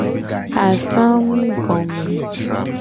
Asangugome.